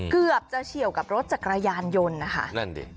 เกือบจะเฉี่ยวกับรถจักรยานยนต์นะคะ